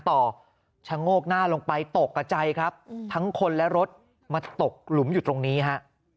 ชะโงกหน้าลงไปตกกับใจครับทั้งคนและรถมาตกหลุมอยู่ตรงนี้ฮะ